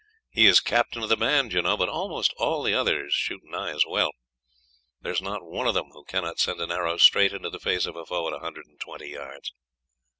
He is captain of the band, you know, but almost all the others shoot nigh as well; there is not one of them who cannot send an arrow straight into the face of a foe at a hundred and twenty yards.